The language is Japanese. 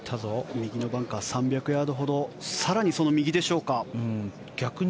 右のバンカー３００ヤードほど更にその右でしょうか。